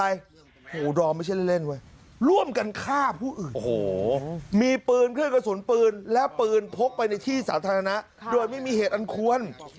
อย่างสารธารณะโดยไม่มีเหตุอ้านควร